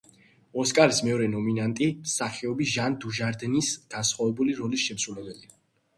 ოსკარის მეორე ნომინანტი მსახიობი ჟან დუჟარდინს განსხვავებული როლის შემსრულებელია.